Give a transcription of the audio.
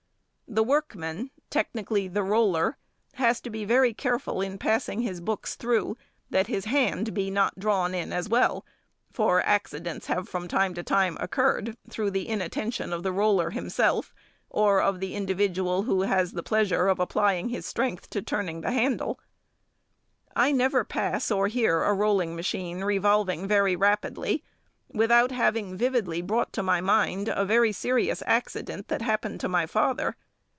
The workman, technically called "Roller," has to be very careful in passing his books through, that his hand be not drawn in as well, for accidents have from time to time occurred through the inattention of the Roller himself, or of the individual who has the pleasure of applying his strength to turning the handle. [Illustration: Rolling Machine.] I never pass or hear a rolling machine revolving very rapidly without having vividly brought to my mind a very serious accident that happened to my father.